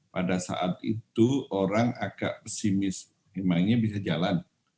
pada saat itu orang agak pesimis memangnya bisa jalan